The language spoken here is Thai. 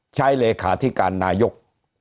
เลขาธิการนายก